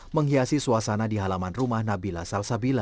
menghiasi suasana di halaman rumah nabila salsabila